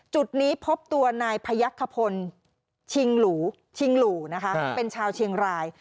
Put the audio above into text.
จุดนี้พบตัวนายพยักขพลชิงหลูชิงหลู่นะคะเป็นชาวเชียงราย